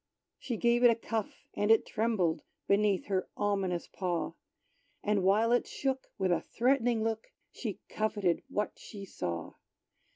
She gave it a cuff, and it trembled Beneath her ominous paw; And while it shook, with a threatening look, She coveted what she saw.